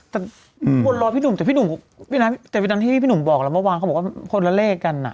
แต่วันรอพี่หนุ่มแต่วันที่พี่หนุ่มบอกแล้วเมื่อวานเขาบอกว่าคนละเลกันน่ะ